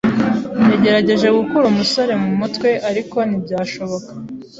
Yagerageje gukura umusore mu mutwe, ariko ntibyashoboka.